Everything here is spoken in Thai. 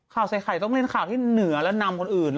ข่าวใส่ไข่ต้องเล่นข่าวที่เหนือและนำคนอื่น